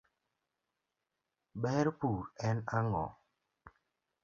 ber pur en ang'o?